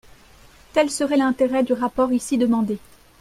Tel serait l’intérêt du rapport ici demandé.